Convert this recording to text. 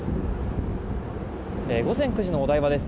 午前９時のお台場です。